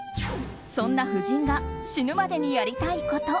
そんな夫人が死ぬまでにやりたいこと。